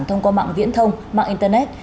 thông qua mạng viễn thông mạng internet